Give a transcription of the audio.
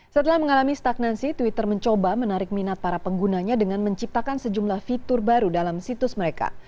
setelah mengalami stagnansi twitter mencoba menarik minat para penggunanya dengan menciptakan sejumlah fitur baru dalam situs mereka